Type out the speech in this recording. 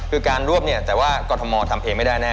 คือการรวบเนี่ยแต่ว่ากรทมทำเองไม่ได้แน่